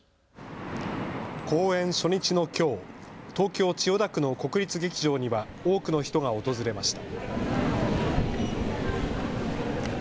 公演初日のきょう東京千代田区の国立劇場には多くの人が訪れました。